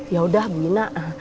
yaudah bu ina